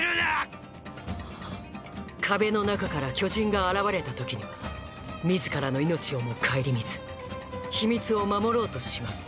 壁の中から巨人が現れた時には自らの命をも顧みず秘密を守ろうとします